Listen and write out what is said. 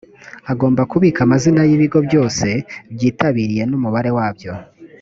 agomba kubika amazina y’ibigo byose byitabiriye n’umubare wabyo